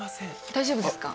大丈夫ですか？